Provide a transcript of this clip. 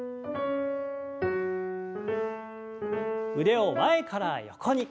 腕を前から横に。